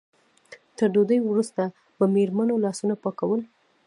تر ډوډۍ وروسته به مېرمنو لاسونه پاکول.